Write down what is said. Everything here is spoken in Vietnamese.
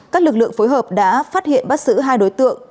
các lực lượng phối hợp đã phát hiện bắt xử hai đối tượng